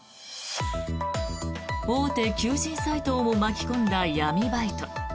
大手求人サイトをも巻き込んだ闇バイト。